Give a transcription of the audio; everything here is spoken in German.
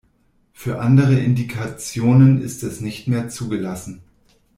Für andere Indikationen ist es nicht mehr zugelassen.